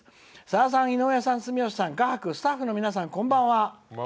「さださん、住吉さん、井上さん画伯、スタッフの皆さんこんばんは」。